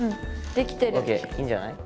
ＯＫいいんじゃない？